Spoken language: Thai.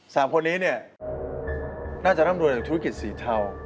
สามคนนี้เนี่ยน่าจะร่ำรวยจากธุรกิจสีเทา